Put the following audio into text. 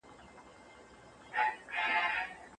سیلانیان په هوټلونو کې اوسیږي.